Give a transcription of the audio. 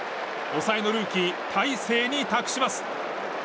抑えのルーキー大勢に託します。